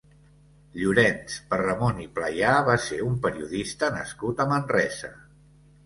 Llorenç Perramon i Playà va ser un periodista nascut a Manresa.